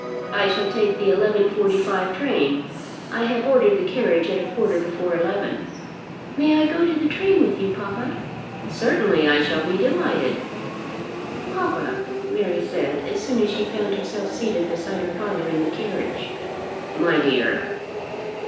"I shall take the 11.45 train. I have ordered the carriage at a quarter before eleven." "May I go to the train with you, papa?" "Certainly; I shall be delighted." "Papa!" Mary said as soon as she found herself seated beside her father in the carriage. "My dear."